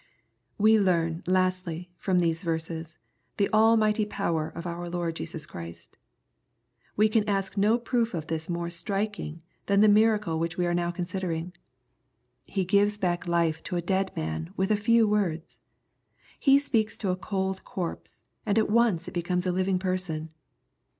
We learn, lastly, from these verses, the almighty power of our Lord Jesua Christ. We can ask no proof of this more striking than the miracle which we are now considering. He gives back life to a dead man with a few words. He speaks to a cold corpse, and at once it becomes a living person.